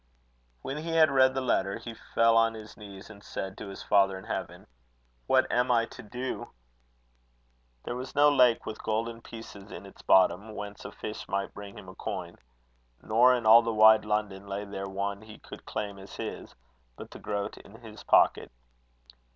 When he had read the letter, he fell on his knees, and said to his father in heaven: "What am I to do?" There was no lake with golden pieces in its bottom, whence a fish might bring him a coin. Nor in all the wide London lay there one he could claim as his, but the groat in his pocket.